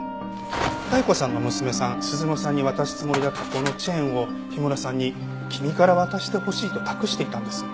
妙子さんの娘さん鈴乃さんに渡すつもりだったこのチェーンを氷室さんに君から渡してほしいと託していたんです。